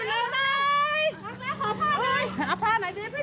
เย็นนีอยู่ไหน